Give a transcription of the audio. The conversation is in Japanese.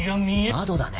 窓だね。